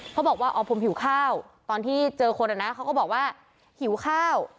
เขาบอกว่าอ๋อผมหิวข้าวตอนที่เจอคนเขาก็บอกว่าหิวข้าว